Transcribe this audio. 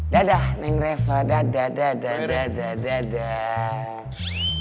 dadah neng reva dadah dadah dadah dadah dadah